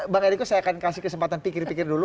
bang eriko saya akan kasih kesempatan pikir pikir dulu